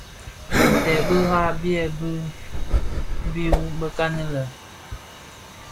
Binted bira byèbi mbi wu bëkan lè.